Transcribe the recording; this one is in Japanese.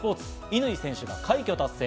乾選手が快挙達成。